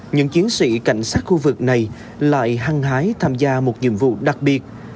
những chiến sĩ cảnh sát khu vực này lại hăng hái tham gia một nhiệm vụ đặc biệt